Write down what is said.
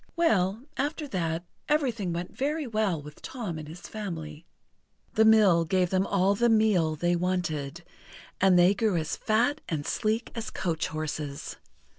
Well, after that everything went very well with Tom and his family. The mill gave them all the meal they wanted, and they grew as fat and sleek as coach horses.